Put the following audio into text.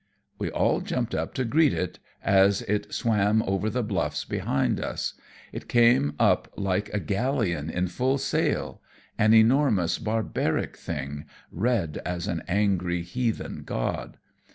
We all jumped up to greet it as it swam over the bluffs behind us. It came up like a galleon in full sail; an enormous, barbaric thing, red as an angry heathen god.